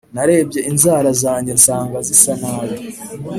Narebye inzara zanjye nsanga zisa nabi